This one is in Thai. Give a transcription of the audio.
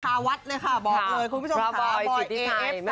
คาวัดเลยค่ะบอกเลยคุณผู้ชมค่ะ